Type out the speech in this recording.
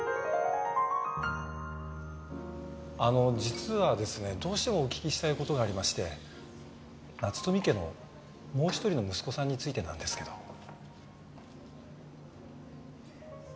あの実はですねどうしてもお聞きしたい事がありまして夏富家のもう一人の息子さんについてなんですけど。